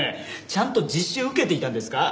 ちゃんと実習を受けていたんですか？